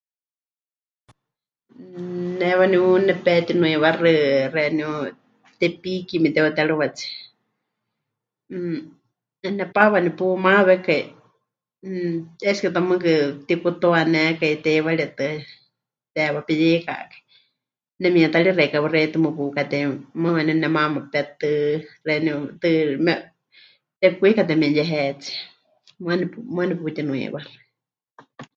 Ne waaníu nepetinuiwaxɨ xeeníu Tepiki memɨte'utérɨwatsie, mmm, ne... nepaapa waaníu pumawekai, mmm, es que ta mɨɨkɨ pɨtikutuanékai teiwaritɨ́a, teewa peyeikakai, nemitari xeikɨ́a xewítɨ́ muuwa pukatei, mɨɨkɨ waaníu nemaama petɨ, xeeníu... tɨɨ́... me... tekwikwikate memuyehetsie, muuwa nepu... muuwa neputinuiwaxɨ.